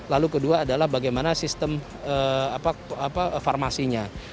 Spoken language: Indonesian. lalu kedua adalah bagaimana sistem farmasinya